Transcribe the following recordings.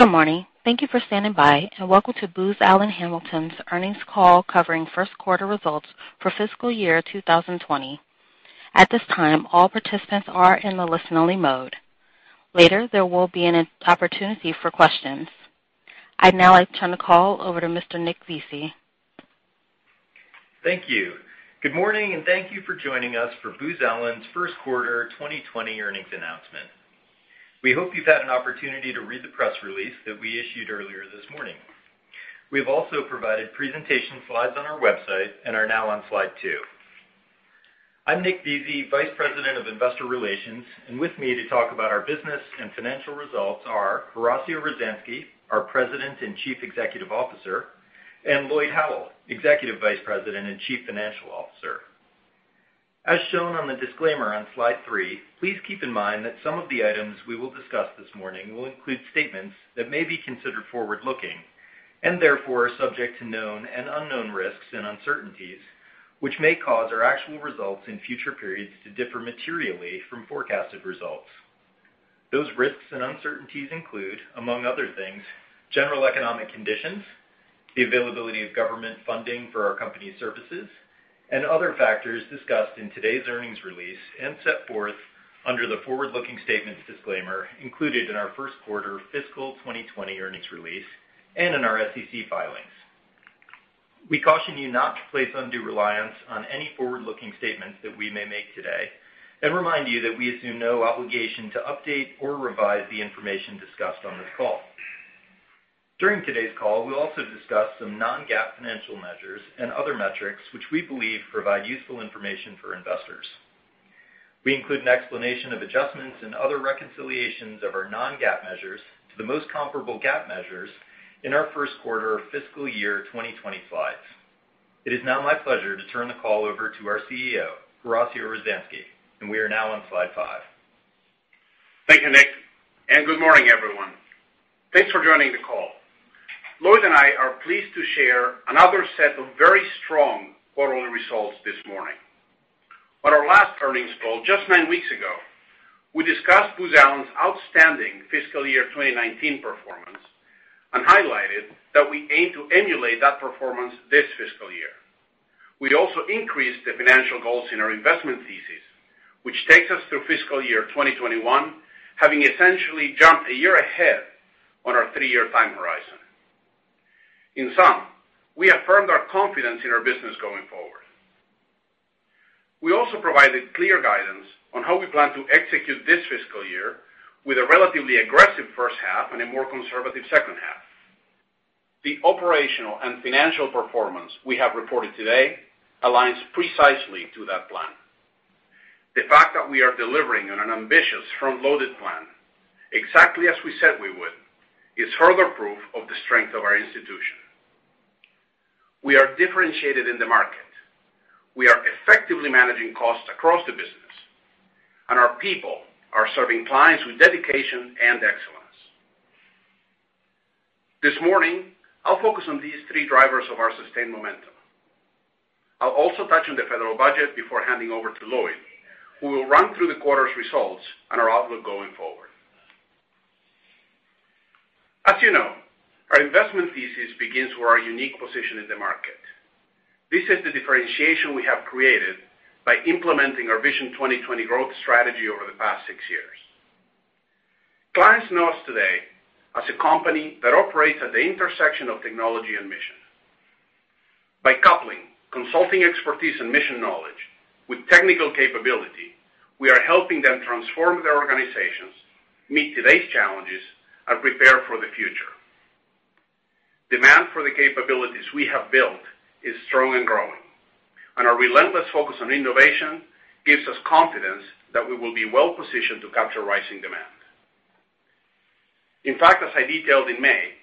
Good morning. Thank you for standing by, and welcome to Booz Allen Hamilton's earnings call covering first quarter results for fiscal year 2020. At this time, all participants are in the listen-only mode. Later, there will be an opportunity for questions. I'd now like to turn the call over to Mr. Nick Veasey. Thank you. Good morning, and thank you for joining us for Booz Allen's first quarter 2020 earnings announcement. We hope you've had an opportunity to read the press release that we issued earlier this morning. We have also provided presentation slides on our website and are now on slide two. I'm Nick Veasey, Vice President of Investor Relations, and with me to talk about our business and financial results are Horacio Rozanski, our President and Chief Executive Officer, and Lloyd Howell, Executive Vice President and Chief Financial Officer. As shown on the disclaimer on slide three, please keep in mind that some of the items we will discuss this morning will include statements that may be considered forward-looking and therefore subject to known and unknown risks and uncertainties, which may cause our actual results in future periods to differ materially from forecasted results. Those risks and uncertainties include, among other things, general economic conditions, the availability of government funding for our company's services, and other factors discussed in today's earnings release and set forth under the forward-looking statements disclaimer included in our first quarter fiscal 2020 earnings release and in our SEC filings. We caution you not to place undue reliance on any forward-looking statements that we may make today and remind you that we assume no obligation to update or revise the information discussed on this call. During today's call, we'll also discuss some non-GAAP financial measures and other metrics which we believe provide useful information for investors. We include an explanation of adjustments and other reconciliations of our non-GAAP measures to the most comparable GAAP measures in our first quarter fiscal year 2020 slides. It is now my pleasure to turn the call over to our CEO, Horacio Rozanski, and we are now on slide five. Thank you, Nick, and good morning, everyone. Thanks for joining the call. Lloyd and I are pleased to share another set of very strong quarterly results this morning. On our last earnings call, just nine weeks ago, we discussed Booz Allen's outstanding fiscal year 2019 performance and highlighted that we aim to emulate that performance this fiscal year. We also increased the financial goals in our investment thesis, which takes us through fiscal year 2021, having essentially jumped a year ahead on our three-year time horizon. In sum, we affirmed our confidence in our business going forward. We also provided clear guidance on how we plan to execute this fiscal year with a relatively aggressive first half and a more conservative second half. The operational and financial performance we have reported today aligns precisely to that plan. The fact that we are delivering on an ambitious, front-loaded plan, exactly as we said we would, is further proof of the strength of our institution. We are differentiated in the market. We are effectively managing costs across the business, and our people are serving clients with dedication and excellence. This morning, I'll focus on these three drivers of our sustained momentum. I'll also touch on the federal budget before handing over to Lloyd, who will run through the quarter's results and our outlook going forward. As you know, our investment thesis begins with our unique position in the market. This is the differentiation we have created by implementing our Vision 2020 growth strategy over the past six years. Clients know us today as a company that operates at the intersection of technology and mission. By coupling consulting expertise and mission knowledge with technical capability, we are helping them transform their organizations, meet today's challenges, and prepare for the future. Demand for the capabilities we have built is strong and growing, and our relentless focus on innovation gives us confidence that we will be well-positioned to capture rising demand. In fact, as I detailed in May,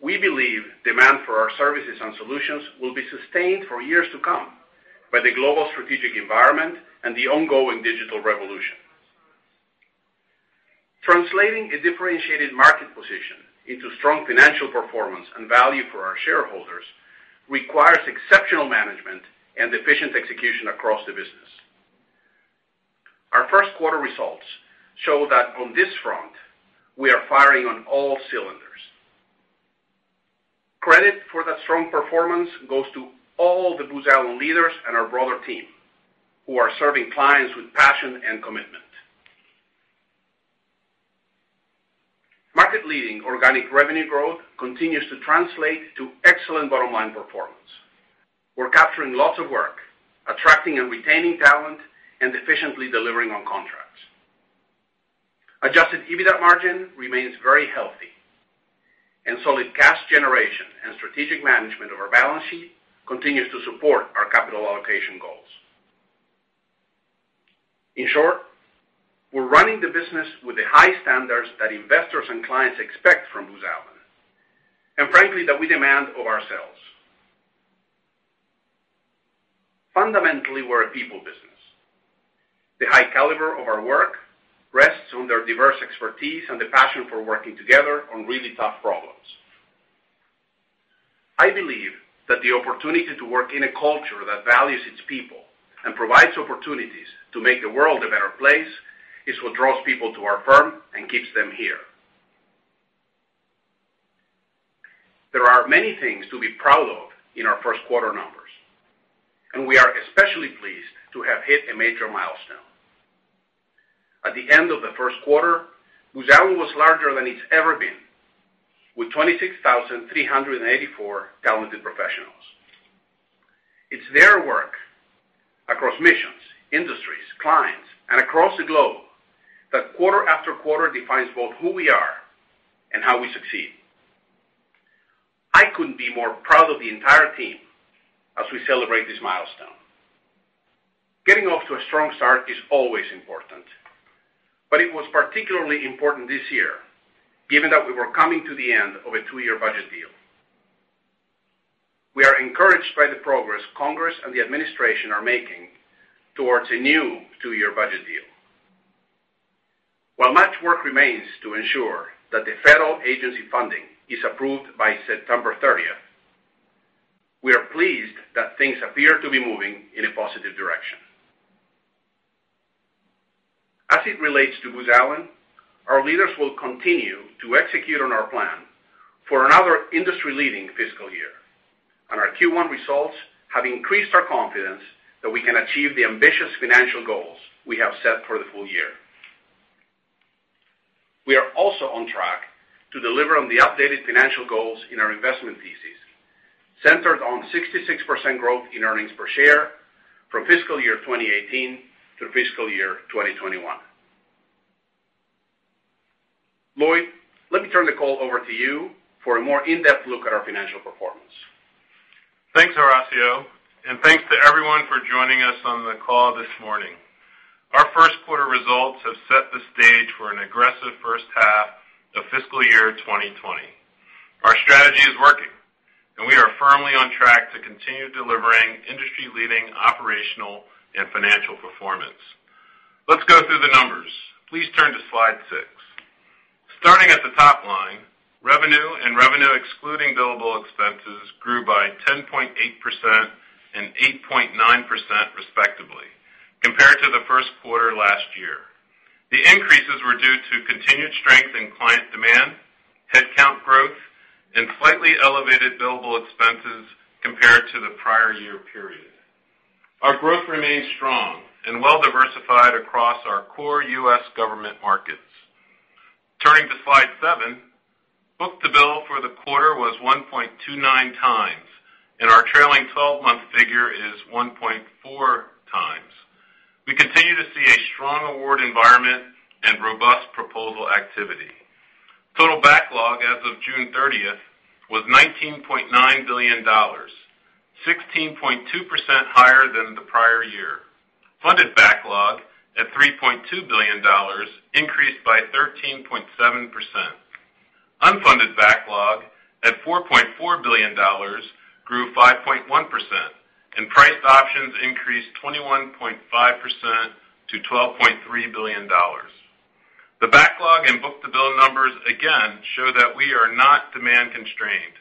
we believe demand for our services and solutions will be sustained for years to come by the global strategic environment and the ongoing digital revolution. Translating a differentiated market position into strong financial performance and value for our shareholders requires exceptional management and efficient execution across the business. Our first quarter results show that on this front, we are firing on all cylinders. Credit for that strong performance goes to all the Booz Allen leaders and our broader team, who are serving clients with passion and commitment. Market-leading organic revenue growth continues to translate to excellent bottom-line performance. We're capturing lots of work, attracting and retaining talent, and efficiently delivering on contracts. Adjusted EBITDA margin remains very healthy, and solid cash generation and strategic management of our balance sheet continues to support our capital allocation goals. In short, we're running the business with the high standards that investors and clients expect from Booz Allen, and frankly, that we demand of ourselves. Fundamentally, we're a people business. The high caliber of our work rests on their diverse expertise and the passion for working together on really tough problems. I believe that the opportunity to work in a culture that values its people and provides opportunities to make the world a better place is what draws people to our firm and keeps them here. There are many things to be proud of in our first quarter numbers, and we are especially pleased to have hit a major milestone. At the end of the first quarter, Booz Allen was larger than it's ever been, with 26,384 talented professionals. It's their work across missions, industries, clients, and across the globe that quarter after quarter defines both who we are and how we succeed. I couldn't be more proud of the entire team as we celebrate this milestone. Getting off to a strong start is always important, but it was particularly important this year given that we were coming to the end of a two-year budget deal. We are encouraged by the progress Congress and the administration are making towards a new two-year budget deal. While much work remains to ensure that the federal agency funding is approved by September 30th, we are pleased that things appear to be moving in a positive direction. As it relates to Booz Allen, our leaders will continue to execute on our plan for another industry-leading fiscal year, and our Q1 results have increased our confidence that we can achieve the ambitious financial goals we have set for the full year. We are also on track to deliver on the updated financial goals in our investment thesis, centered on 66% growth in earnings per share from fiscal year 2018 to fiscal year 2021. Lloyd, let me turn the call over to you for a more in-depth look at our financial performance. Thanks, Horacio, and thanks to everyone for joining us on the call this morning. Our first quarter results have set the stage for an aggressive first half of fiscal year 2020. Our strategy is working, and we are firmly on track to continue delivering industry-leading operational and financial performance. Let's go through the numbers. Please turn to slide six. Starting at the top line, revenue and revenue excluding billable expenses grew by 10.8% and 8.9%, respectively, compared to the first quarter last year. The increases were due to continued strength in client demand, headcount growth, and slightly elevated billable expenses compared to the prior year period. Our growth remains strong and well-diversified across our core U.S. government markets. Turning to Slide seven, book-to-bill for the quarter was 1.29 times, and our trailing 12-month figure is 1.4 times. We continue to see a strong award environment and robust proposal activity. Total backlog as of June 30 was $19.9 billion, 16.2% higher than the prior year. Funded backlog at $3.2 billion increased by 13.7%. Unfunded backlog at $4.4 billion grew 5.1%, and priced options increased 21.5% to $12.3 billion. The backlog and book-to-bill numbers again show that we are not demand-constrained,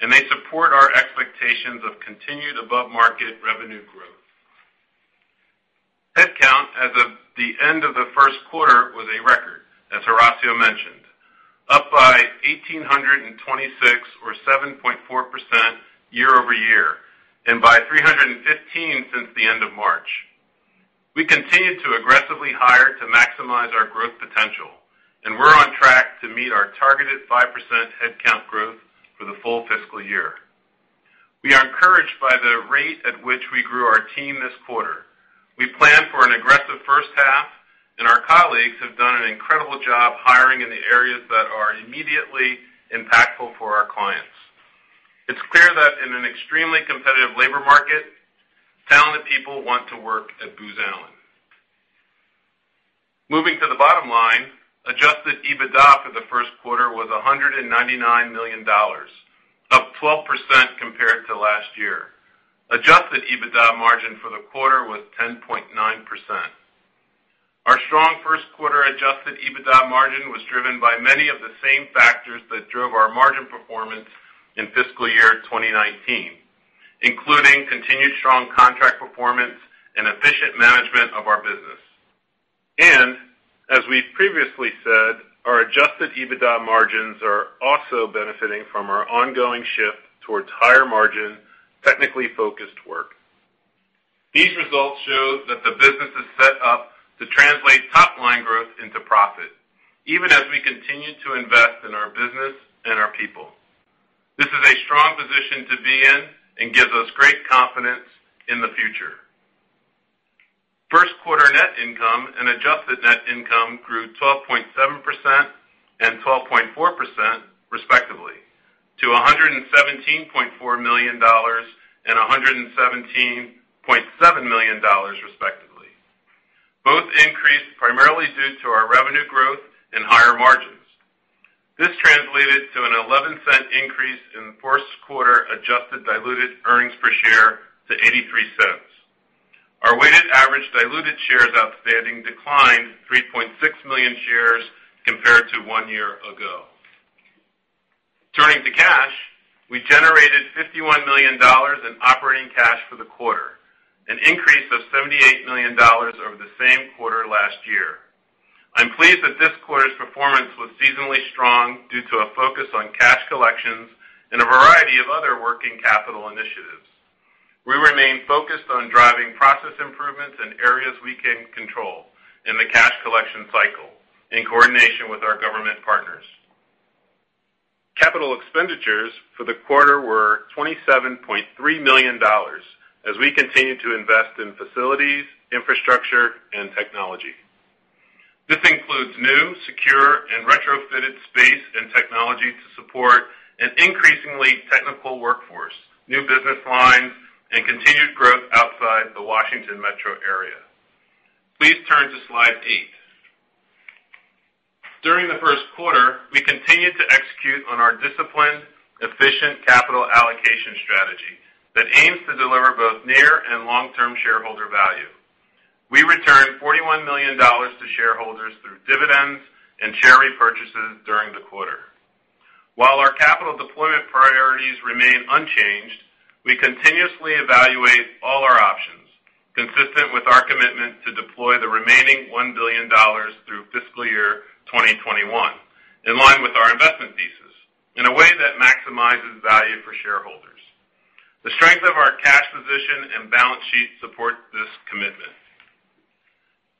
and they support our expectations of continued above-market revenue growth. Headcount as of the end of the first quarter was a record, as Horacio mentioned, up by 1,826 or 7.4% year over year and by 315 since the end of March. We continued to aggressively hire to maximize our growth potential, and we're on track to meet our targeted 5% headcount growth for the full fiscal year. We are encouraged by the rate at which we grew our team this quarter. We plan for an aggressive first half, and our colleagues have done an incredible job hiring in the areas that are immediately impactful for our clients. It's clear that in an extremely competitive labor market, talented people want to work at Booz Allen. Moving to the bottom line, adjusted EBITDA for the first quarter was $199 million, up 12% compared to last year. Adjusted EBITDA margin for the quarter was 10.9%. Our strong first quarter adjusted EBITDA margin was driven by many of the same factors that drove our margin performance in fiscal year 2019, including continued strong contract performance and efficient management of our business, and as we've previously said, our adjusted EBITDA margins are also benefiting from our ongoing shift towards higher-margin, technically focused work. These results show that the business is set up to translate top-line growth into profit, even as we continue to invest in our business and our people. This is a strong position to be in and gives us great confidence in the future. First quarter net income and adjusted net income grew 12.7% and 12.4%, respectively, to $117.4 million and $117.7 million, respectively. Both increased primarily due to our revenue growth and higher margins. This translated to a $0.11 increase in the fourth quarter adjusted diluted earnings per share to $0.83. Our weighted average diluted shares outstanding declined 3.6 million shares compared to one year ago. Turning to cash, we generated $51 million in operating cash for the quarter, an increase of $78 million over the same quarter last year. I'm pleased that this quarter's performance was seasonally strong due to a focus on cash collections and a variety of other working capital initiatives. We remain focused on driving process improvements in areas we can control in the cash collection cycle in coordination with our government partners. Capital expenditures for the quarter were $27.3 million as we continue to invest in facilities, infrastructure, and technology. This includes new, secure, and retrofitted space and technology to support an increasingly technical workforce, new business lines, and continued growth outside the Washington metro area. Please turn to Slide eight. During the first quarter, we continued to execute on our disciplined, efficient capital allocation strategy that aims to deliver both near and long-term shareholder value. We returned $41 million to shareholders through dividends and share repurchases during the quarter. While our capital deployment priorities remain unchanged, we continuously evaluate all our options, consistent with our commitment to deploy the remaining $1 billion through fiscal year 2021, in line with our investment thesis, in a way that maximizes value for shareholders. The strength of our cash position and balance sheet support this commitment.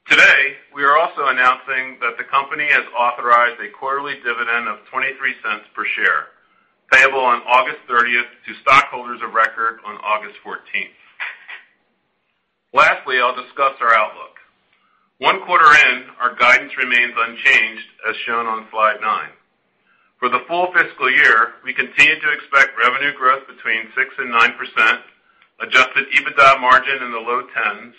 Today, we are also announcing that the company has authorized a quarterly dividend of $0.23 per share, payable on August 30th to stockholders of record on August 14th. Lastly, I'll discuss our outlook. One quarter in, our guidance remains unchanged, as shown on slide nine. For the full fiscal year, we continue to expect revenue growth between 6%-9%, adjusted EBITDA margin in the low 10s,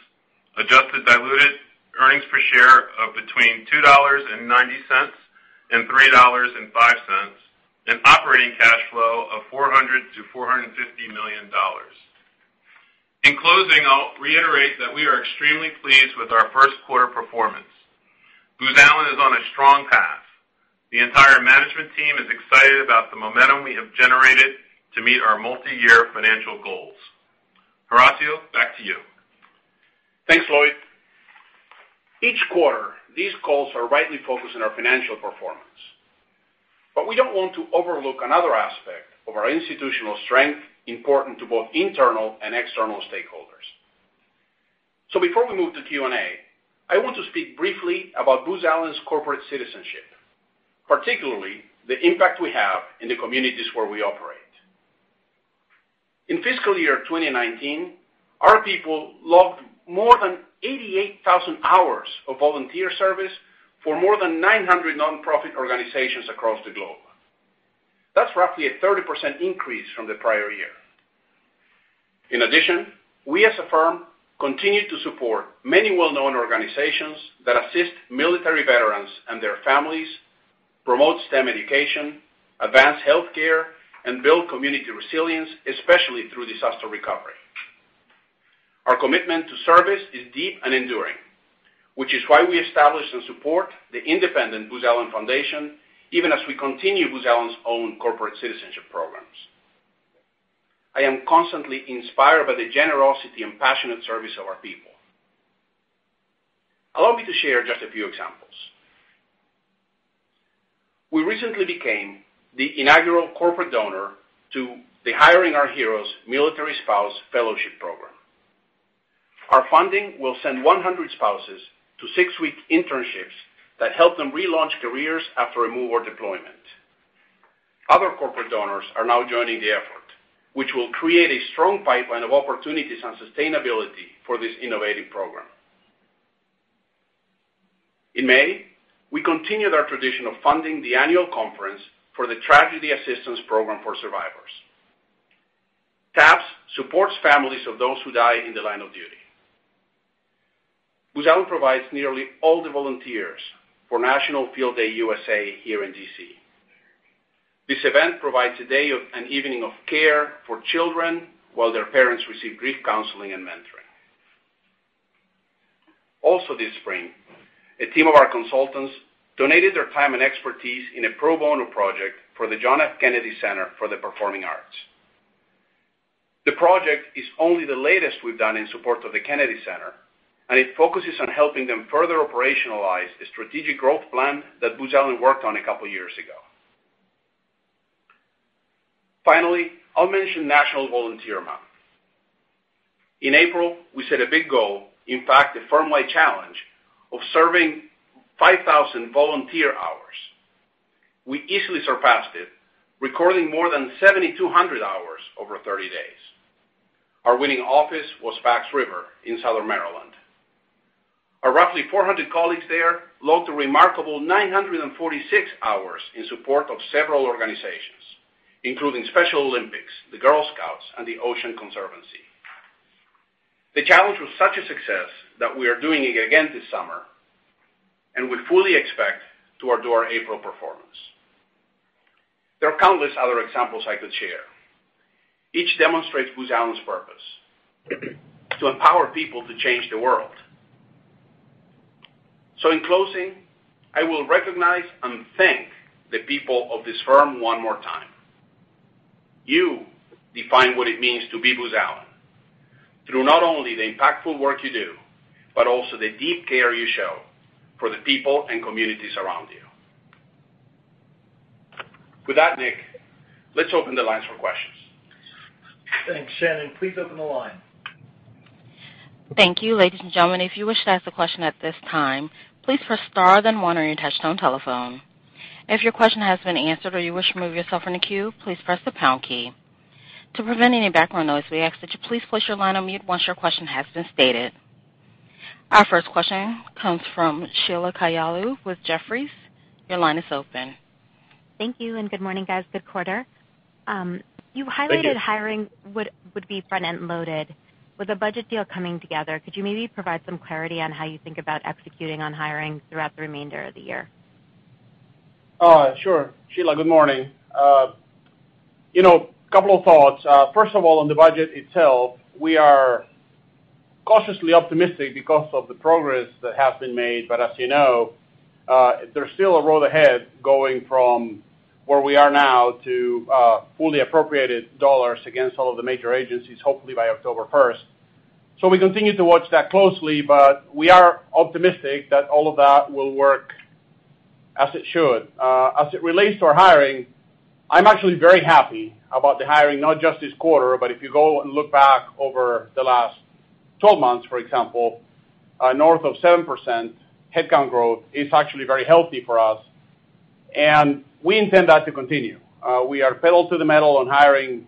adjusted diluted earnings per share of between $2.90-$3.05, and operating cash flow of $400 million-$450 million. In closing, I'll reiterate that we are extremely pleased with our first quarter performance. Booz Allen is on a strong path. The entire management team is excited about the momentum we have generated to meet our multi-year financial goals. Horacio, back to you. Thanks, Lloyd. Each quarter, these calls are rightly focused on our financial performance, but we don't want to overlook another aspect of our institutional strength important to both internal and external stakeholders. So before we move to Q&A, I want to speak briefly about Booz Allen's corporate citizenship, particularly the impact we have in the communities where we operate. In fiscal year 2019, our people logged more than 88,000 hours of volunteer service for more than 900 nonprofit organizations across the globe. That's roughly a 30% increase from the prior year. In addition, we as a firm continue to support many well-known organizations that assist military veterans and their families, promote STEM education, advance healthcare, and build community resilience, especially through disaster recovery. Our commitment to service is deep and enduring, which is why we establish and support the independent Booz Allen Foundation, even as we continue Booz Allen's own corporate citizenship programs. I am constantly inspired by the generosity and passionate service of our people. Allow me to share just a few examples. We recently became the inaugural corporate donor to the Hiring Our Heroes Military Spouse Fellowship Program. Our funding will send 100 spouses to six-week internships that help them relaunch careers after a move or deployment. Other corporate donors are now joining the effort, which will create a strong pipeline of opportunities and sustainability for this innovative program. In May, we continued our tradition of funding the annual conference for the Tragedy Assistance Program for Survivors. TAPS supports families of those who die in the line of duty. Booz Allen provides nearly all the volunteers for National Field Day USA here in DC. This event provides a day and evening of care for children while their parents receive grief counseling and mentoring. Also this spring, a team of our consultants donated their time and expertise in a pro bono project for the John F. Kennedy Center for the Performing Arts. The project is only the latest we've done in support of the Kennedy Center, and it focuses on helping them further operationalize the strategic growth plan that Booz Allen worked on a couple of years ago. Finally, I'll mention National Volunteer Month. In April, we set a big goal, in fact, a firm-wide challenge of serving 5,000 volunteer hours. We easily surpassed it, recording more than 7,200 hours over 30 days. Our winning office was Pax River in Southern Maryland. Our roughly 400 colleagues there logged a remarkable 946 hours in support of several organizations, including Special Olympics, the Girl Scouts, and the Ocean Conservancy. The challenge was such a success that we are doing it again this summer, and we fully expect to do our April performance. There are countless other examples I could share. Each demonstrates Booz Allen's purpose: to empower people to change the world. So in closing, I will recognize and thank the people of this firm one more time. You define what it means to be Booz Allen through not only the impactful work you do, but also the deep care you show for the people and communities around you. With that, Nick, let's open the lines for questions. Thanks. Shannon, please open the line. Thank you. Ladies and gentlemen, if you wish to ask a question at this time, please press star then one on your touch-tone telephone. If your question has been answered or you wish to remove yourself from the queue, please press the pound key. To prevent any background noise, we ask that you please place your line on mute once your question has been stated. Our first question comes from Sheila Kahyaoglu with Jefferies. Your line is open. Thank you, and good morning, guys. Good quarter. You highlighted hiring would be front-end loaded. With the budget deal coming together, could you maybe provide some clarity on how you think about executing on hiring throughout the remainder of the year? Sure. Sheila, good morning. A couple of thoughts. First of all, on the budget itself, we are cautiously optimistic because of the progress that has been made, but as you know, there's still a road ahead going from where we are now to fully appropriated dollars against all of the major agencies, hopefully by October 1st. So we continue to watch that closely, but we are optimistic that all of that will work as it should. As it relates to our hiring, I'm actually very happy about the hiring, not just this quarter, but if you go and look back over the last 12 months, for example, north of 7% headcount growth is actually very healthy for us, and we intend that to continue. We are pedal to the metal on hiring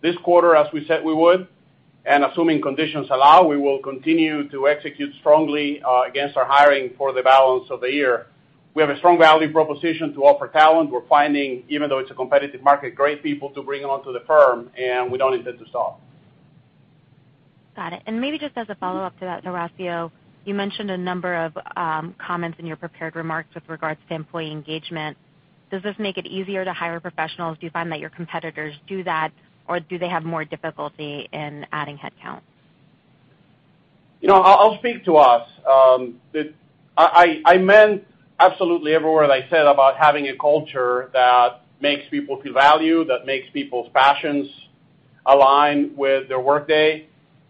this quarter as we said we would, and assuming conditions allow, we will continue to execute strongly against our hiring for the balance of the year. We have a strong value proposition to offer talent. We're finding, even though it's a competitive market, great people to bring onto the firm, and we don't intend to stop. Got it. And maybe just as a follow-up to that, Horacio, you mentioned a number of comments in your prepared remarks with regards to employee engagement. Does this make it easier to hire professionals? Do you find that your competitors do that, or do they have more difficulty in adding headcount? I'll speak to us. I meant absolutely everywhere that I said about having a culture that makes people feel valued, that makes people's passions align with their workday,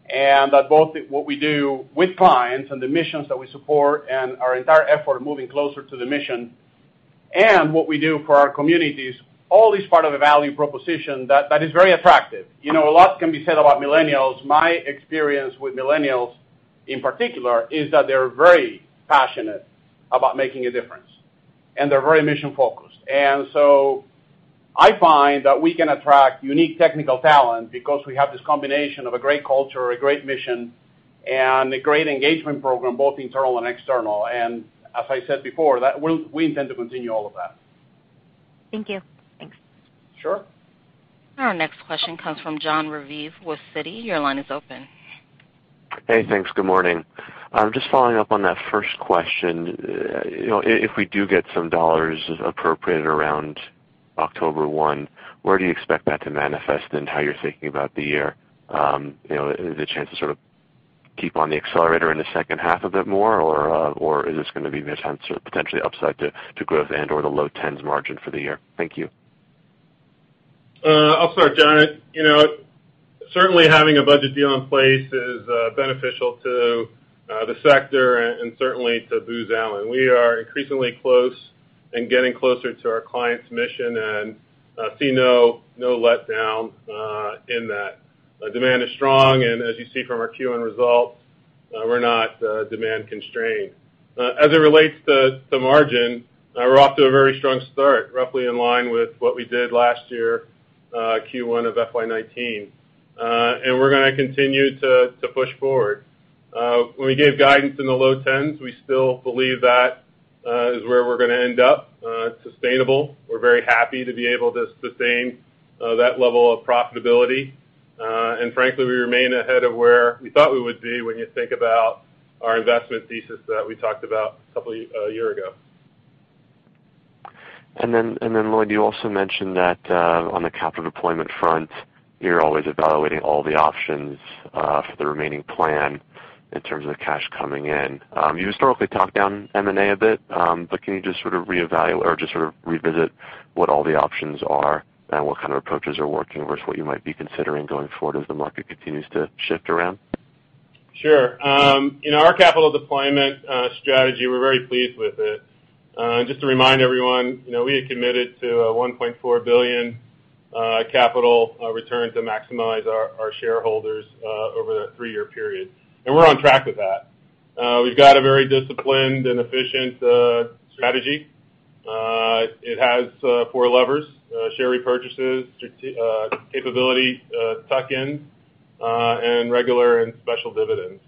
and that both what we do with clients and the missions that we support and our entire effort of moving closer to the mission and what we do for our communities, all is part of a value proposition that is very attractive. A lot can be said about millennials. My experience with millennials in particular is that they're very passionate about making a difference, and they're very mission-focused. And so I find that we can attract unique technical talent because we have this combination of a great culture, a great mission, and a great engagement program, both internal and external. And as I said before, we intend to continue all of that. Thank you. Thanks. Sure. Our next question comes from Jon Raviv with Citi. Your line is open. Hey, thanks. Good morning. I'm just following up on that first question. If we do get some dollars appropriated around October 1, where do you expect that to manifest in how you're thinking about the year? Is it a chance to sort of keep on the accelerator in the second half a bit more, or is this going to be a chance to potentially upside to growth and/or the low 10s margin for the year? Thank you. I'll start, Jon. Certainly, having a budget deal in place is beneficial to the sector and certainly to Booz Allen. We are increasingly close and getting closer to our client's mission, and I see no letdown in that. Demand is strong, and as you see from our Q1 results, we're not demand-constrained. As it relates to margin, we're off to a very strong start, roughly in line with what we did last year, Q1 of FY 2019, and we're going to continue to push forward. When we gave guidance in the low 10s, we still believe that is where we're going to end up, sustainable. We're very happy to be able to sustain that level of profitability, and frankly, we remain ahead of where we thought we would be when you think about our investment thesis that we talked about a couple of years ago. And then, Lloyd, you also mentioned that on the capital deployment front, you're always evaluating all the options for the remaining plan in terms of the cash coming in. You historically talked down M&A a bit, but can you just sort of reevaluate or just sort of revisit what all the options are and what kind of approaches are working versus what you might be considering going forward as the market continues to shift around? Sure. In our capital deployment strategy, we're very pleased with it. Just to remind everyone, we are committed to a $1.4 billion capital return to maximize our shareholders over that three-year period, and we're on track with that. We've got a very disciplined and efficient strategy. It has four levers: share repurchases, capability tuck-in, and regular and special dividends.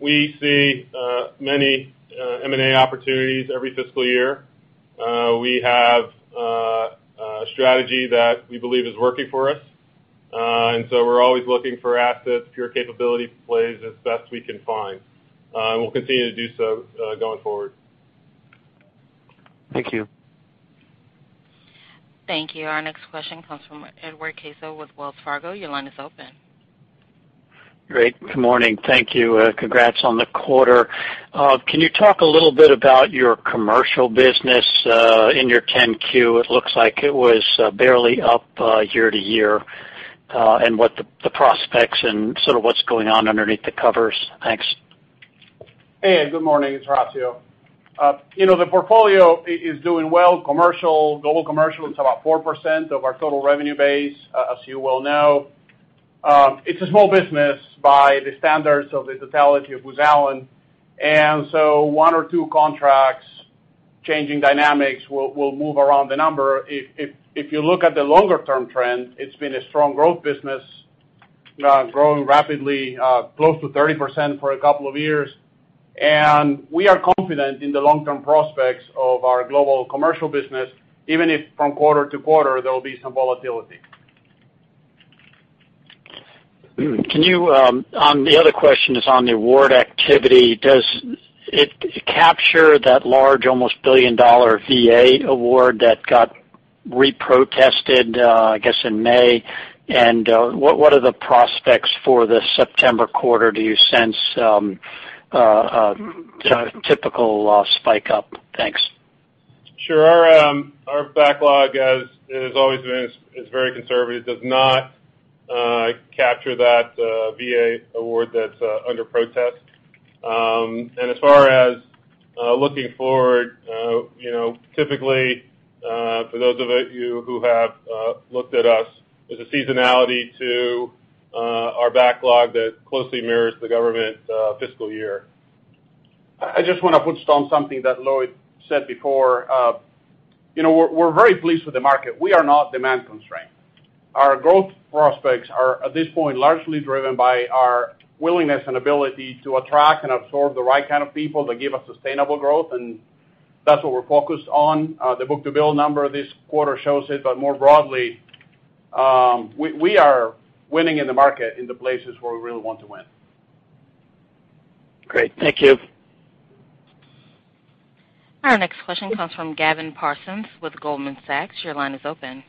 We see many M&A opportunities every fiscal year. We have a strategy that we believe is working for us, and so we're always looking for assets, pure capability plays as best we can find, and we'll continue to do so going forward. Thank you. Thank you. Our next question comes from Edward Caso with Wells Fargo. Your line is open. Great. Good morning. Thank you. Congrats on the quarter. Can you talk a little bit about your commercial business in your 10-Q? It looks like it was barely up year to year. And what the prospects and sort of what's going on underneath the covers? Thanks. Hey, good morning. It's Horacio. The portfolio is doing well. Commercial, Global Commercial, it's about 4% of our total revenue base, as you well know. It's a small business by the standards of the totality of Booz Allen, and so one or two contracts changing dynamics will move around the number. If you look at the longer-term trend, it's been a strong growth business, growing rapidly, close to 30% for a couple of years, and we are confident in the long-term prospects of our Global Commercial business, even if from quarter to quarter there will be some volatility. The other question is on the award activity. Does it capture that large, almost $1 billion VA award that got reprotested, I guess, in May? And what are the prospects for the September quarter? Do you sense a typical spike up? Thanks. Sure. Our backlog has always been very conservative. It does not capture that VA award that's under protest. And as far as looking forward, typically, for those of you who have looked at us, there's a seasonality to our backlog that closely mirrors the government fiscal year. I just want to footnote something that Lloyd said before. We're very pleased with the market. We are not demand-constrained. Our growth prospects are at this point largely driven by our willingness and ability to attract and absorb the right kind of people that give us sustainable growth, and that's what we're focused on. The book-to-bill number this quarter shows it, but more broadly, we are winning in the market in the places where we really want to win. Great. Thank you. Our next question comes from Gavin Parsons with Goldman Sachs. Your line is open.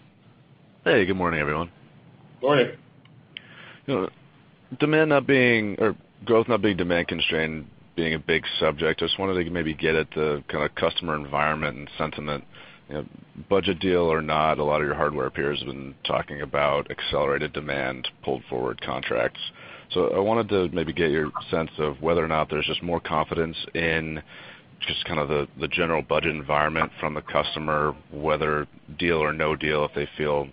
Hey, good morning, everyone. Good morning. Demand not being, or growth not being, demand-constrained being a big subject. I just wanted to maybe get at the kind of customer environment and sentiment. Budget deal or not, a lot of your hardware peers have been talking about accelerated demand, pulled-forward contracts. So I wanted to maybe get your sense of whether or not there's just more confidence in just kind of the general budget environment from the customer, whether deal or no deal, if they feel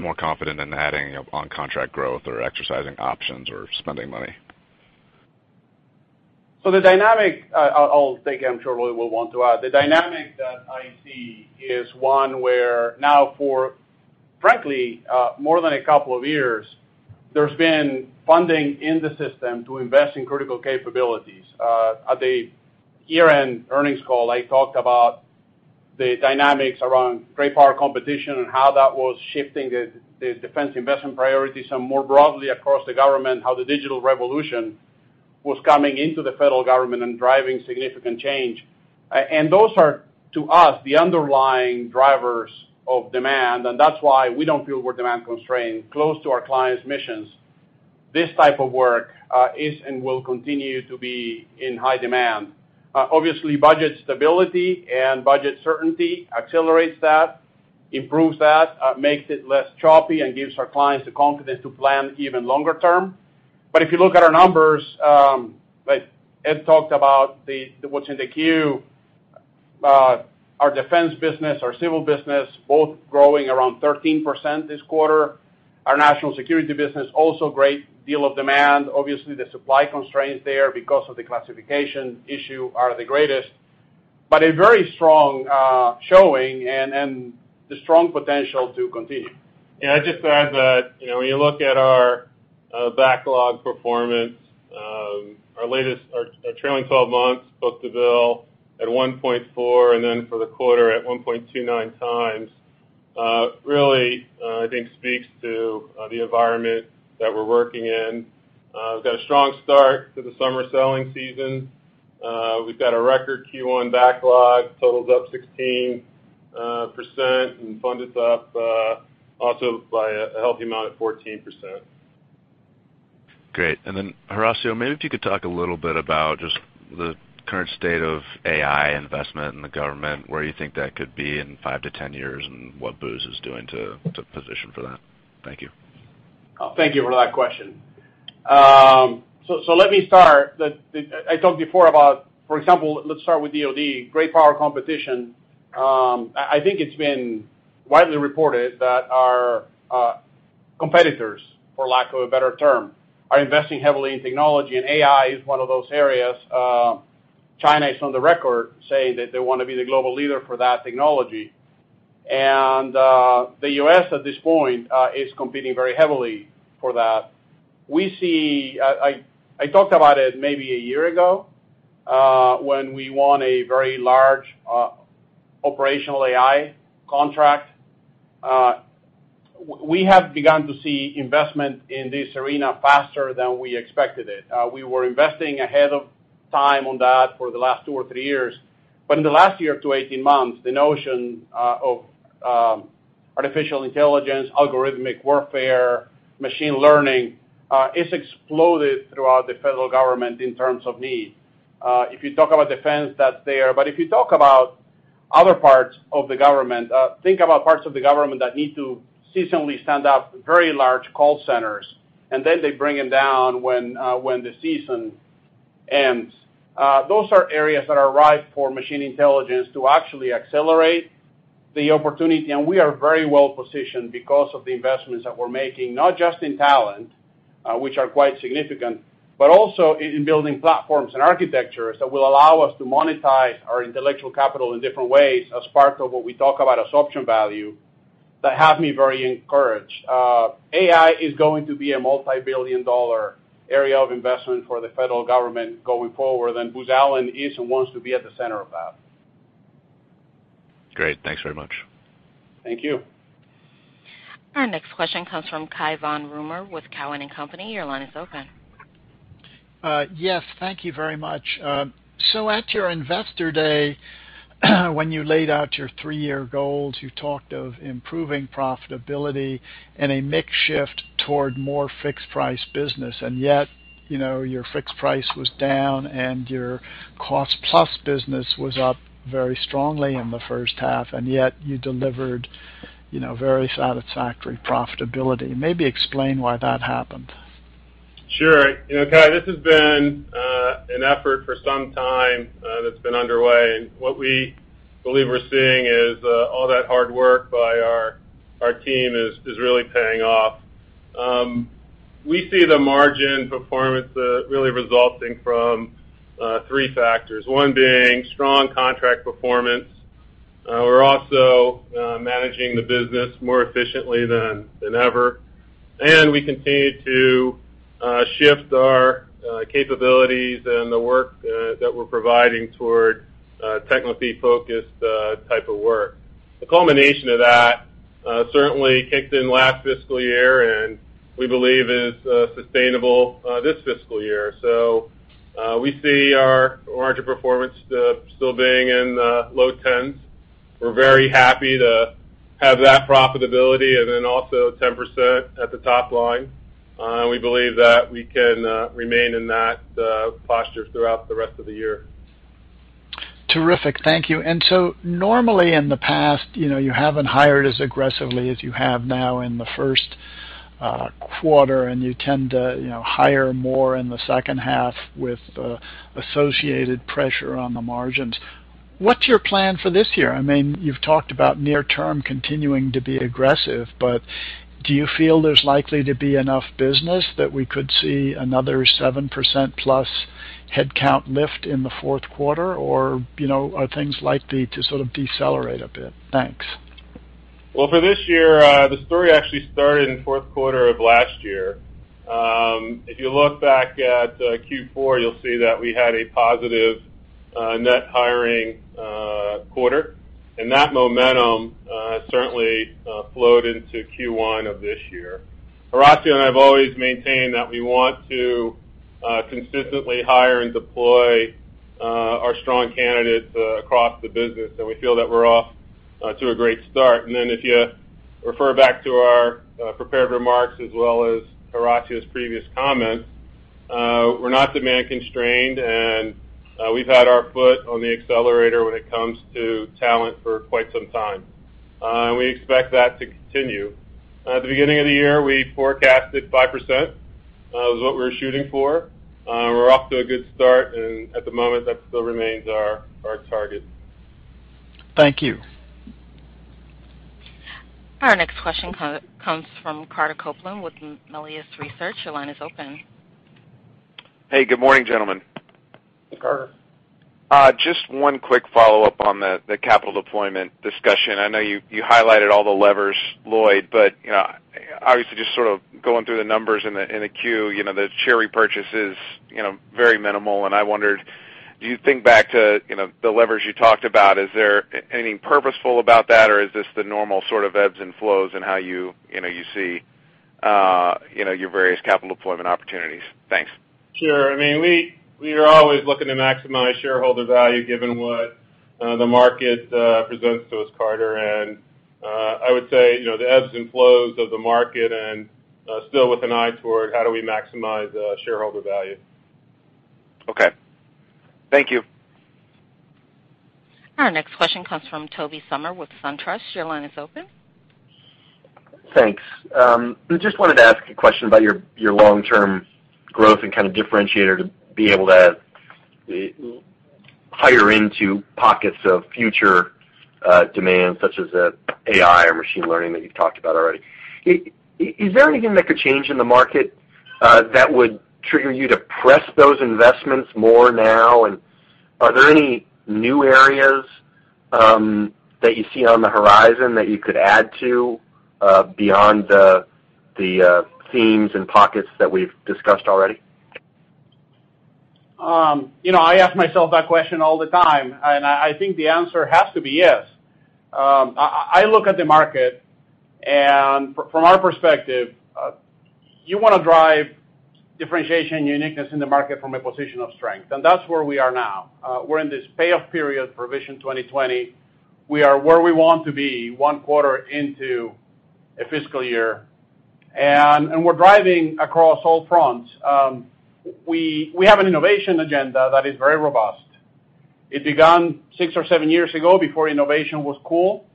more confident in adding on contract growth or exercising options or spending money. So the dynamic. I'll take it. I'm sure Lloyd will want to add. The dynamic that I see is one where now, for frankly, more than a couple of years, there's been funding in the system to invest in critical capabilities. At the year-end earnings call, I talked about the dynamics around Great Power Competition and how that was shifting the Defense investment priorities and more broadly across the government, how the digital revolution was coming into the federal government and driving significant change. And those are, to us, the underlying drivers of demand, and that's why we don't feel we're demand-constrained. Close to our clients' missions, this type of work is and will continue to be in high demand. Obviously, budget stability and budget certainty accelerates that, improves that, makes it less choppy, and gives our clients the confidence to plan even longer term. But if you look at our numbers, Lloyd talked about what's in the queue. Our Defense business, our Civil business, both growing around 13% this quarter. Our National Security business, also great deal of demand. Obviously, the supply constraints there because of the classification issue are the greatest, but a very strong showing and the strong potential to continue. Yeah. I'd just add that when you look at our backlog performance, our trailing 12 months, book-to-bill at 1.4, and then for the quarter at 1.29 times, really, I think, speaks to the environment that we're working in. We've got a strong start to the summer selling season. We've got a record Q1 backlog, totals up 16%, and funded up also by a healthy amount at 14%. Great. And then, Horacio, maybe if you could talk a little bit about just the current state of AI investment in the government, where you think that could be in five to 10 years, and what Booz is doing to position for that. Thank you. Thank you for that question, so let me start. I talked before about, for example, let's start with DOD, Great Power Competition. I think it's been widely reported that our competitors, for lack of a better term, are investing heavily in technology, and AI is one of those areas. China is on the record saying that they want to be the global leader for that technology, and the U.S., at this point, is competing very heavily for that. I talked about it maybe a year ago when we won a very large operational AI contract. We have begun to see investment in this arena faster than we expected it. We were investing ahead of time on that for the last two or three years, but in the last year to 18 months, the notion of artificial intelligence, algorithmic warfare, machine learning has exploded throughout the federal government in terms of need. If you talk about Defense, that's there, but if you talk about other parts of the government, think about parts of the government that need to seasonally stand up very large call centers, and then they bring them down when the season ends. Those are areas that are ripe for machine intelligence to actually accelerate the opportunity, and we are very well positioned because of the investments that we're making, not just in talent, which are quite significant, but also in building platforms and architectures that will allow us to monetize our intellectual capital in different ways as part of what we talk about, as option value, that have me very encouraged. AI is going to be a multi-billion-dollar area of investment for the federal government going forward, and Booz Allen is and wants to be at the center of that. Great. Thanks very much. Thank you. Our next question comes from Cai von Rumohr with Cowen & Company. Your line is open. Yes. Thank you very much. So at your investor day, when you laid out your three-year goals, you talked of improving profitability and a mixed shift toward more fixed-price business, and yet your fixed price was down and your cost-plus business was up very strongly in the first half, and yet you delivered very satisfactory profitability. Maybe explain why that happened? Sure. Cai, this has been an effort for some time that's been underway, and what we believe we're seeing is all that hard work by our team is really paying off. We see the margin performance really resulting from three factors. One being strong contract performance. We're also managing the business more efficiently than ever, and we continue to shift our capabilities and the work that we're providing toward technical focused type of work. The culmination of that certainly kicked in last fiscal year and we believe is sustainable this fiscal year. So we see our margin performance still being in the low 10s. We're very happy to have that profitability and then also 10% at the top line. We believe that we can remain in that posture throughout the rest of the year. Terrific. Thank you. And so normally in the past, you haven't hired as aggressively as you have now in the first quarter, and you tend to hire more in the second half with associated pressure on the margins. What's your plan for this year? I mean, you've talked about near-term continuing to be aggressive, but do you feel there's likely to be enough business that we could see another 7% plus headcount lift in the fourth quarter, or are things likely to sort of decelerate a bit? Thanks. For this year, the story actually started in the fourth quarter of last year. If you look back at Q4, you'll see that we had a positive net hiring quarter, and that momentum certainly flowed into Q1 of this year. Horacio and I have always maintained that we want to consistently hire and deploy our strong candidates across the business, and we feel that we're off to a great start. If you refer back to our prepared remarks as well as Horacio's previous comments, we're not demand-constrained, and we've had our foot on the accelerator when it comes to talent for quite some time, and we expect that to continue. At the beginning of the year, we forecasted 5% was what we were shooting for. We're off to a good start, and at the moment, that still remains our target. Thank you. Our next question comes from Carter Copeland with Melius Research. Your line is open. Hey, good morning, gentlemen. Carter. Just one quick follow-up on the capital deployment discussion. I know you highlighted all the levers, Lloyd, but obviously, just sort of going through the numbers in the queue, the share repurchase is very minimal, and I wondered, do you think back to the levers you talked about, is there anything purposeful about that, or is this the normal sort of ebbs and flows in how you see your various capital deployment opportunities? Thanks. Sure. I mean, we are always looking to maximize shareholder value given what the market presents to us, Carter, and I would say the ebbs and flows of the market and still with an eye toward how do we maximize shareholder value. Okay. Thank you. Our next question comes from Tobey Sommer with SunTrust. Your line is open. Thanks. I just wanted to ask a question about your long-term growth and kind of differentiator to be able to hire into pockets of future demand such as AI or machine learning that you've talked about already. Is there anything that could change in the market that would trigger you to press those investments more now? And are there any new areas that you see on the horizon that you could add to beyond the themes and pockets that we've discussed already? I ask myself that question all the time, and I think the answer has to be yes. I look at the market, and from our perspective, you want to drive differentiation and uniqueness in the market from a position of strength, and that's where we are now. We're in this payoff period for Vision 2020. We are where we want to be one quarter into a fiscal year, and we're driving across all fronts. We have an innovation agenda that is very robust. It began six or seven years ago before innovation was cool,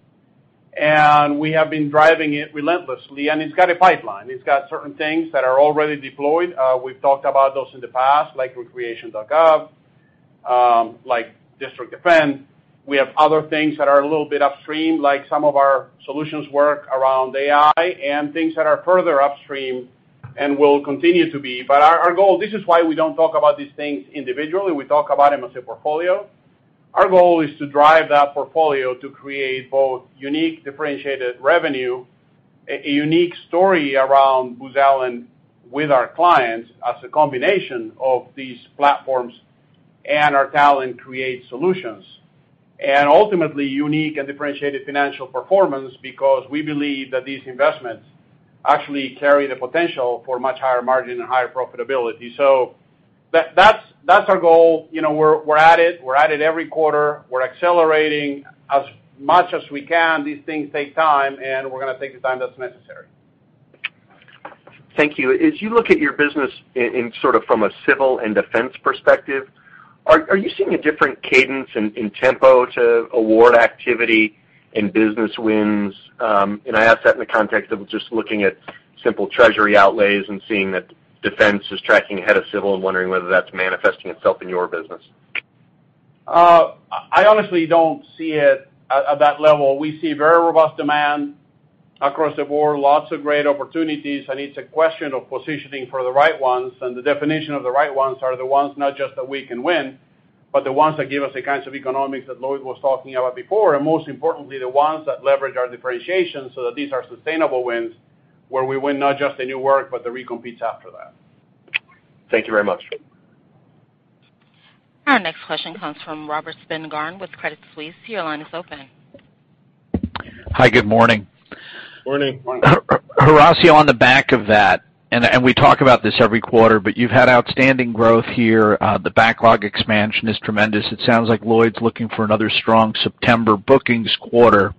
and we have been driving it relentlessly, and it's got a pipeline. It's got certain things that are already deployed. We've talked about those in the past, like Recreation.gov, like District Defend. We have other things that are a little bit upstream, like some of our solutions work around AI and things that are further upstream and will continue to be. But our goal, this is why we don't talk about these things individually. We talk about them as a portfolio. Our goal is to drive that portfolio to create both unique, differentiated revenue, a unique story around Booz Allen with our clients as a combination of these platforms and our talent-created solutions, and ultimately, unique and differentiated financial performance because we believe that these investments actually carry the potential for much higher margin and higher profitability. So that's our goal. We're at it. We're at it every quarter. We're accelerating as much as we can. These things take time, and we're going to take the time that's necessary. Thank you. As you look at your business sort of from a Civil and Defense perspective, are you seeing a different cadence and tempo to award activity and business wins? And I ask that in the context of just looking at simple treasury outlays and seeing that Defense is tracking ahead of Civil and wondering whether that's manifesting itself in your business. I honestly don't see it at that level. We see very robust demand across the board, lots of great opportunities. I need to question our positioning for the right ones, and the definition of the right ones are the ones not just that we can win, but the ones that give us the kinds of economics that Lloyd was talking about before, and most importantly, the ones that leverage our differentiation so that these are sustainable wins where we win not just the new work, but the recompetes after that. Thank you very much. Our next question comes from Robert Spingarn with Credit Suisse. Your line is open. Hi. Good morning. Morning. Horacio, on the back of that, and we talk about this every quarter, but you've had outstanding growth here. The backlog expansion is tremendous. It sounds like Lloyd's looking for another strong September bookings quarter.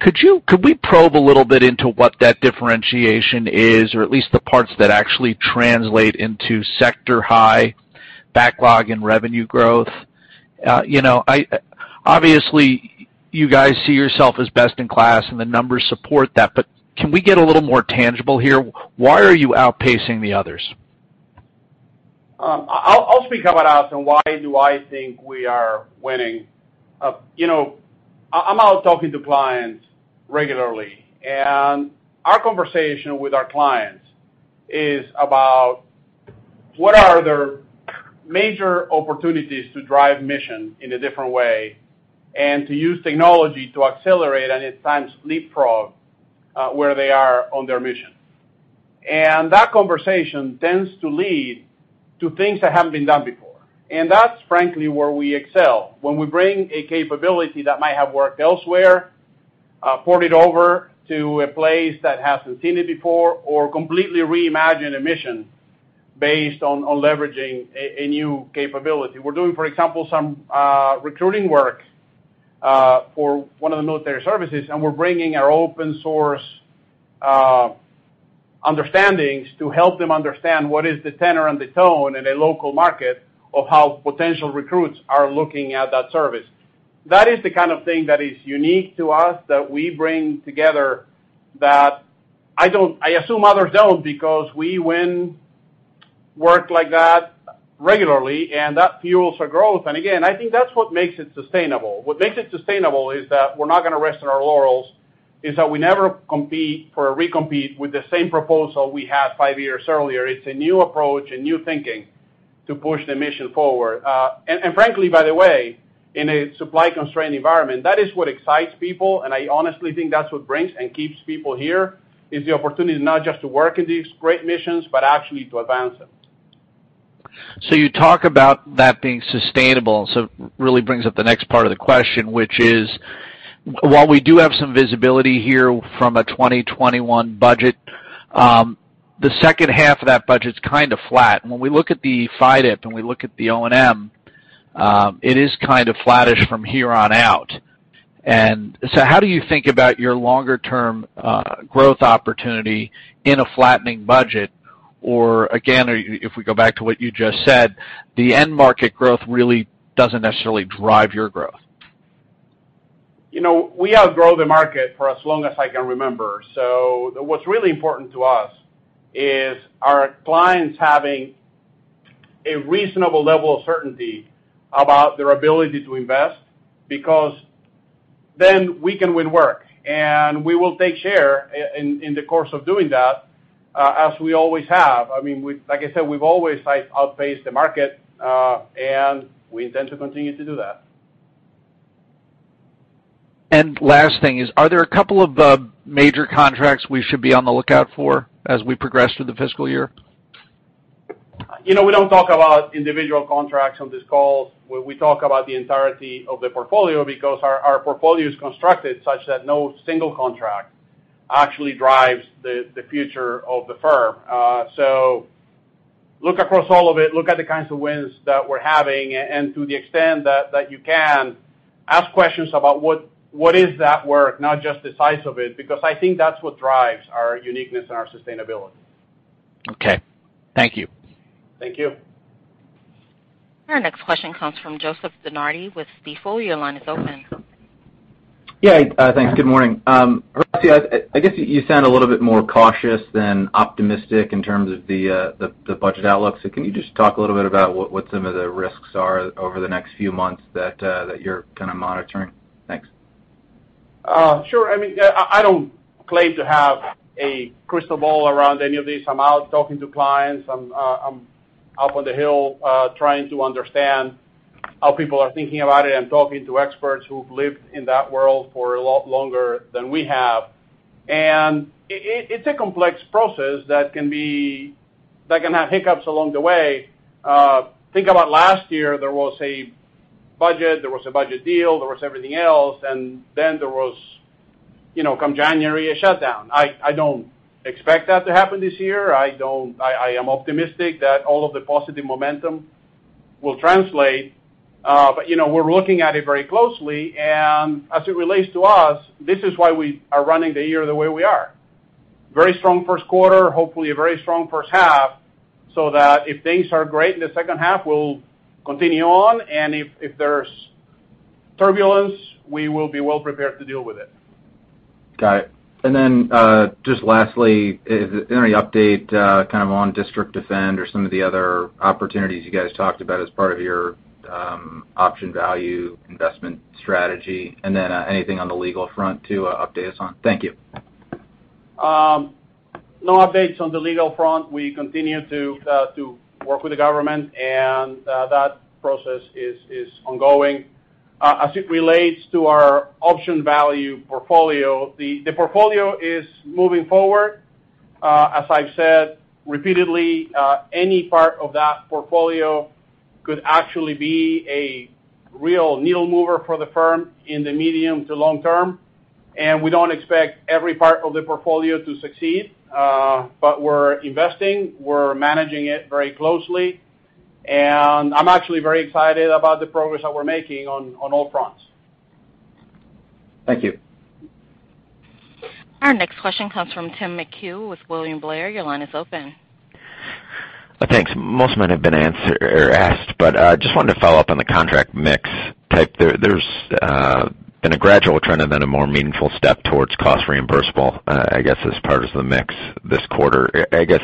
Could we probe a little bit into what that differentiation is, or at least the parts that actually translate into sector high backlog and revenue growth? Obviously, you guys see yourself as best in class, and the numbers support that, but can we get a little more tangible here? Why are you outpacing the others? I'll speak about us and why do I think we are winning. I'm out talking to clients regularly, and our conversation with our clients is about what are their major opportunities to drive mission in a different way and to use technology to accelerate and at times leapfrog where they are on their mission. And that conversation tends to lead to things that haven't been done before, and that's frankly where we excel. When we bring a capability that might have worked elsewhere, port it over to a place that hasn't seen it before, or completely reimagine a mission based on leveraging a new capability. We're doing, for example, some recruiting work for one of the military services, and we're bringing our open-source understandings to help them understand what is the tenor and the tone in a local market of how potential recruits are looking at that service. That is the kind of thing that is unique to us that we bring together that I assume others don't because we win work like that regularly, and that fuels our growth. And again, I think that's what makes it sustainable. What makes it sustainable is that we're not going to rest on our laurels, that we never compete for a recompete with the same proposal we had five years earlier. It's a new approach, a new thinking to push the mission forward. And frankly, by the way, in a supply-constrained environment, that is what excites people, and I honestly think that's what brings and keeps people here is the opportunity not just to work in these great missions, but actually to advance them. So you talk about that being sustainable, so it really brings up the next part of the question, which is while we do have some visibility here from a 2021 budget, the second half of that budget's kind of flat. When we look at the FYDP and we look at the O&M, it is kind of flattish from here on out. And so how do you think about your longer-term growth opportunity in a flattening budget? Or again, if we go back to what you just said, the end market growth really doesn't necessarily drive your growth. We outgrow the market for as long as I can remember. So what's really important to us is our clients having a reasonable level of certainty about their ability to invest because then we can win work, and we will take share in the course of doing that as we always have. I mean, like I said, we've always outpaced the market, and we intend to continue to do that. Last thing is, are there a couple of major contracts we should be on the lookout for as we progress through the fiscal year? We don't talk about individual contracts on these calls. We talk about the entirety of the portfolio because our portfolio is constructed such that no single contract actually drives the future of the firm. So look across all of it. Look at the kinds of wins that we're having, and to the extent that you can, ask questions about what is that work, not just the size of it, because I think that's what drives our uniqueness and our sustainability. Okay. Thank you. Thank you. Our next question comes from Joseph DeNardi with Stifel. Your line is open. Yeah. Thanks. Good morning. Horacio, I guess you sound a little bit more cautious than optimistic in terms of the budget outlook. So can you just talk a little bit about what some of the risks are over the next few months that you're kind of monitoring? Thanks. Sure. I mean, I don't claim to have a crystal ball around any of this. I'm out talking to clients. I'm up on the hill trying to understand how people are thinking about it. I'm talking to experts who've lived in that world for a lot longer than we have. And it's a complex process that can have hiccups along the way. Think about last year. There was a budget. There was a budget deal. There was everything else, and then there was, come January, a shutdown. I don't expect that to happen this year. I am optimistic that all of the positive momentum will translate, but we're looking at it very closely. And as it relates to us, this is why we are running the year the way we are. Very strong first quarter, hopefully a very strong first half, so that if things are great in the second half, we'll continue on, and if there's turbulence, we will be well prepared to deal with it. Got it. And then just lastly, is there any update kind of on District Defend or some of the other opportunities you guys talked about as part of your option value investment strategy? And then anything on the legal front to update us on? Thank you. No updates on the legal front. We continue to work with the government, and that process is ongoing. As it relates to our option value portfolio, the portfolio is moving forward. As I've said repeatedly, any part of that portfolio could actually be a real needle mover for the firm in the medium to long term, and we don't expect every part of the portfolio to succeed, but we're investing. We're managing it very closely, and I'm actually very excited about the progress that we're making on all fronts. Thank you. Our next question comes from Tim McHugh with William Blair. Your line is open. Thanks. Most might have been asked, but I just wanted to follow up on the contract mix type. There's been a gradual trend and then a more meaningful step towards cost-reimbursable, I guess, as part of the mix this quarter. I guess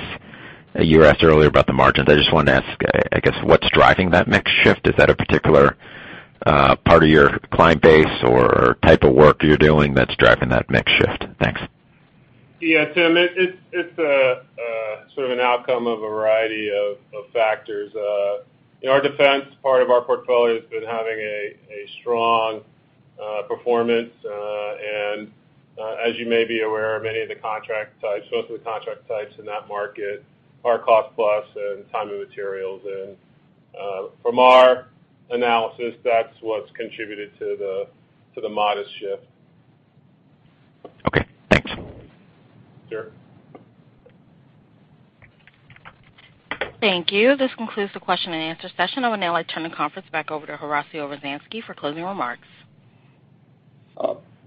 you were asked earlier about the margins. I just wanted to ask, I guess, what's driving that mix shift? Is that a particular part of your client base or type of work you're doing that's driving that mix shift? Thanks. Yeah. Tim, it's sort of an outcome of a variety of factors. Our Defense part of our portfolio has been having a strong performance, and as you may be aware, many of the contract types, most of the contract types in that market are cost-plus and time and materials. And from our analysis, that's what's contributed to the modest shift. Okay. Thanks. Sure. Thank you. This concludes the question-and-answer session. I would now like to turn the conference back over to Horacio Rozanski for closing remarks.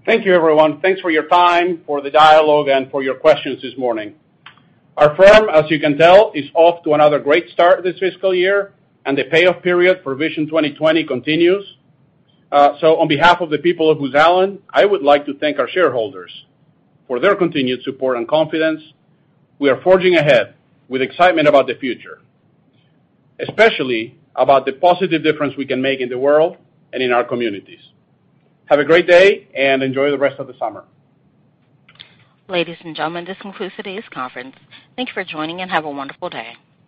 Thank you, everyone. Thanks for your time, for the dialogue, and for your questions this morning. Our firm, as you can tell, is off to another great start this fiscal year, and the payoff period for Vision 2020 continues, so on behalf of the people of Booz Allen, I would like to thank our shareholders for their continued support and confidence. We are forging ahead with excitement about the future, especially about the positive difference we can make in the world and in our communities. Have a great day and enjoy the rest of the summer. Ladies and gentlemen, this concludes today's conference. Thank you for joining, and have a wonderful day.